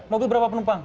mobil berapa penumpang